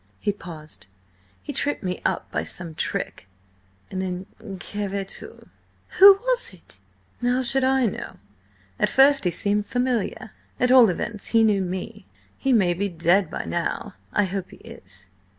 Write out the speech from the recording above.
He paused. "He tripped me up by some trick, and then–que veux tu?" "Who was it?" "How should I know? At first he seemed familiar. At all events, he knew me. He may be dead by now. I hope he is."